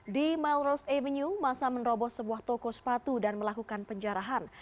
di milros avenue masa menerobos sebuah toko sepatu dan melakukan penjarahan